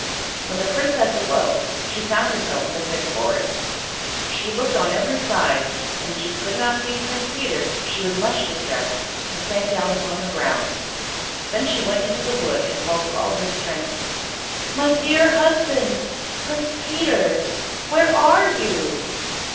When the Princess awoke she found herself in the thick forest. She looked on every side, and when she could not see Prince Peter, she was much distressed, and sank down upon the ground. Then she went into the wood, and called with all her strength— "My dear husband, Prince Peter, where are you?"